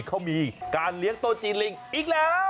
เขามีการเลี้ยงโต๊ะจีนลิงอีกแล้ว